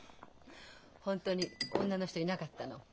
本当に女の人いなかったの？